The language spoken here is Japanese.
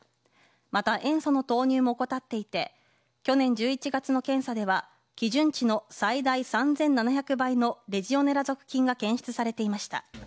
また塩素の投入も怠っていて去年１１月の検査では基準値の最大３７００倍のレジオネラ属菌が検出されていました。